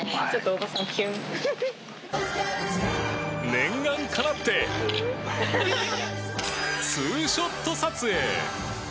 念願かなってツーショット撮影。